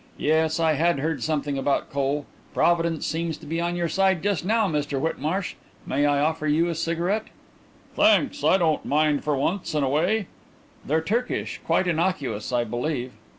Yes, I had heard something about coal. Providence seems to be on your side just now, Mr Whitmarsh. May I offer you a cigarette?" "Thanks, I don't mind for once in a way." "They're Turkish; quite innocuous, I believe."